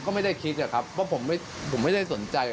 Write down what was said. ก็ไม่ได้คิดนะครับว่าผมไม่ได้สนใจแล้ว